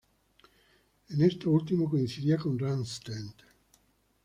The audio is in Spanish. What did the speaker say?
En esto último coincidía con Rundstedt.